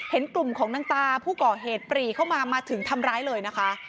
เห็นกลุ่มของนางตาผู้ก่อเหตุปรีเข้ามามาถึงทำร้ายเลยนะคะ